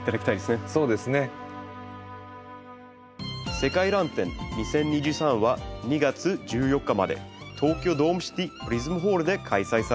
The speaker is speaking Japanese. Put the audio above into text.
「世界らん展２０２３」は２月１４日まで東京ドームシティプリズムホールで開催されています。